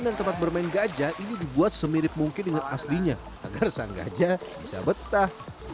tempat bermain gajah ini dibuat semirip mungkin dengan aslinya agar sang gajah bisa betah